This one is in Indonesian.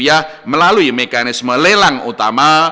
sisi ini adalah mekanisme lelang utama